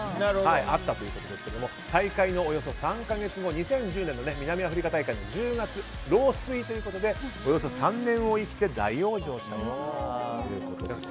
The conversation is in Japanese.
あったということですが大会のおよそ３か月後２０１０年の南アフリカ大会後１０月、老衰でおよそ３年を生きて大往生したということです。